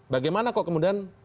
bagaimana kok kemudian